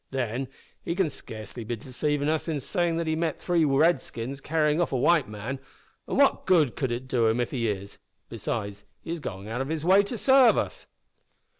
Then, he can scarcely be deceivin' us in sayin' that he met three Redskins carryin' off a white man an' what good could it do him if he is? Besides, he is goin' out of his way to sarve us."